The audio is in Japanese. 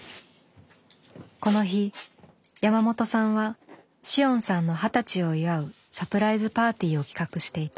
この日山本さんは紫桜さんの二十歳を祝うサプライズパーティーを企画していた。